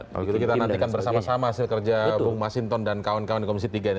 kalau gitu kita nantikan bersama sama hasil kerja bung mas hinton dan kawan kawan di komisi tiga ini